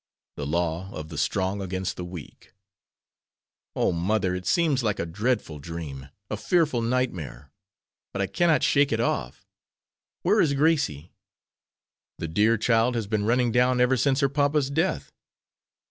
"The law of the strong against the weak." "Oh, mother, it seems like a dreadful dream, a fearful nightmare! But I cannot shake it off. Where is Gracie?" "The dear child has been running down ever since her papa's death.